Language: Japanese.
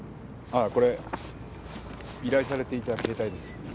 あっこれ依頼されていた携帯です。